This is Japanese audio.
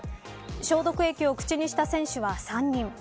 消毒液を口にした選手は３人。